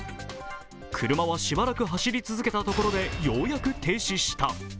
車はしばらく走り続けたところでようやく停止した。